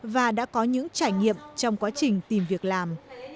và đã có những trải nghiệm trong quá trình tìm việc làm